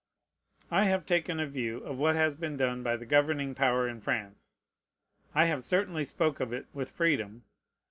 I have taken a view of what has been done by the governing power in France. I have certainly spoke of it with freedom.